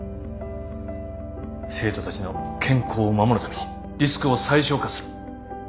生徒たちの健康を守るためにリスクを最小化する。